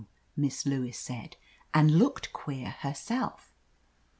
'* Miss Lewis said, and looked queer herself.